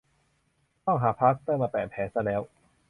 ต้องหาพลาสเตอร์มาแปะแผลซะแล้ว